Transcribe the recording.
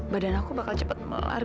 badan aku bakal cepet melar